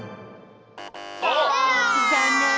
ざんねん！